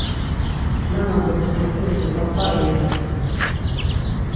Nana do babasuzi va p̌a iyert̆u.